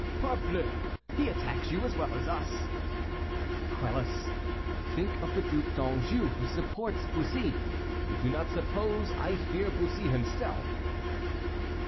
"Parbleu, he attacks you as well as us." "Quelus, think of the Duc d'Anjou, who supports Bussy; you do not suppose I fear Bussy himself?"